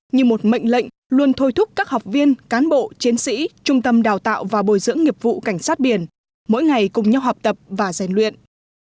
như một mệnh lệnh luôn thôi thúc các học viên cán bộ chiến sĩ trung tâm đào tạo và bồi dưỡng nghiệp vụ cảnh sát biển mỗi ngày cùng nhau học tập và rèn luyện